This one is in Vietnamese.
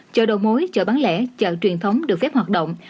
chợ đầu mối chợ bán lẻ chợ truyền thống được phép hoạt động